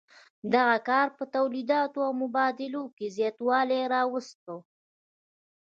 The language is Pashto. دغه کار په تولیداتو او مبادلو کې زیاتوالی راوست.